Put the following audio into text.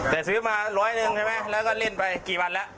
แต่ซื้อมาร้อยหนึ่งใช่ไหมแล้วก็เล่นไปกี่วันแล้ว